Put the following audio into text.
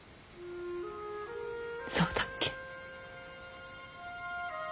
そうだっけ。